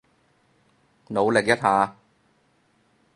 努力一下